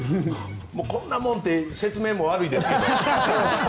こんなもんって説明も悪いですけど。